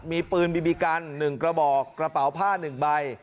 มีปืนบีบีกัน๑กระบอกกระเป๋าผ้า๑ใบ